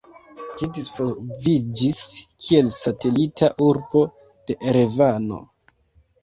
Ĝi disvolviĝis kiel satelita urbo de Erevano.